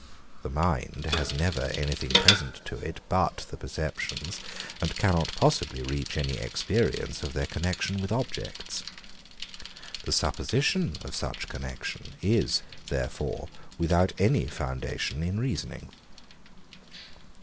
The mind has never anything present to it but the perceptions, and cannot possibly reach any experience of their connexion with objects. The supposition of such a connexion is, therefore, without any foundation in reasoning.